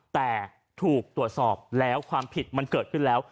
แต่ถูกตรวจสอบแล้วความผิดมันเกิดขึ้นแล้ว